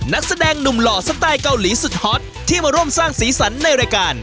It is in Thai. นักแสดงหนุ่มหล่อสไตล์เกาหลีสุดฮอตที่มาร่วมสร้างสีสันในรายการ